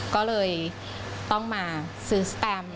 ก็เลยต้องมาซื้อสแตม